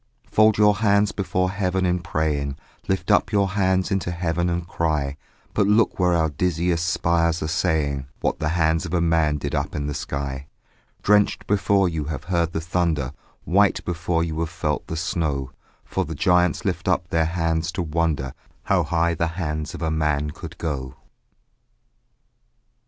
Fold your hands before heaven in praying, Lift up your hands into heaven and cry; But look where our dizziest spires are saying What the hands of a man did up in the sky: Drenched before you have heard the thunder, White before you have felt the snow; For the giants lift up their hands to wonder How high the hands of a man could go.